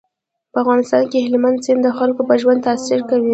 په افغانستان کې هلمند سیند د خلکو په ژوند تاثیر کوي.